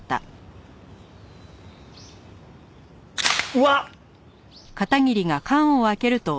うわっ！